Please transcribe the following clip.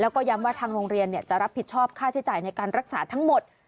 แล้วก็ย้ำว่าทางโรงเรียนจะรับผิดชอบค่าใช้จ่ายในการรักษาทั้งหมด